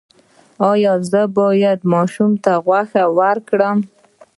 ایا زه باید ماشوم ته غوښه ورکړم؟